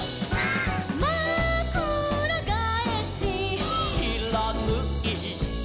「まくらがえし」「」「しらぬい」「」